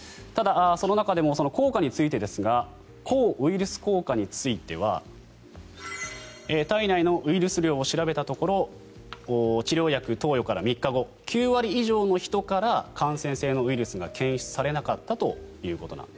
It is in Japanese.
ただ、その中でもその効果については抗ウイルス効果については体内のウイルス量を調べたところ治療薬投与から３日後９割以上の人から感染性のウイルスが検出されなかったと。